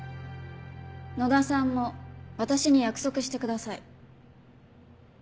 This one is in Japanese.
野田さんも私に約束してください。